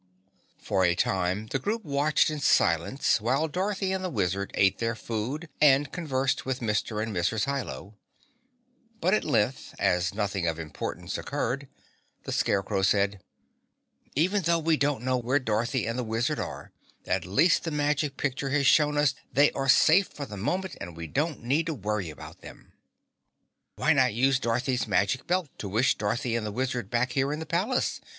For a time the group watched in silence while Dorothy and the Wizard ate their food and conversed with Mr. and Mrs. Hi Lo. But at length, as nothing of importance occurred, the Scarecrow said: "Even though we don't know where Dorothy and the Wizard are, at least the Magic Picture has shown us they are safe for the moment and we don't need to worry about them." "Why not use Dorothy's Magic Belt to wish Dorothy and the Wizard back here in the palace?"